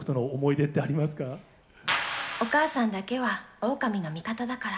お母さんだけはおおかみの味方だから。